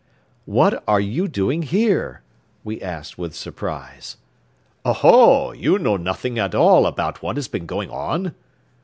"What are you doing here?" we asked with surprise. "Oh, ho, you know nothing at all about what has been going on?"